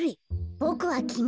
ボクはきみ。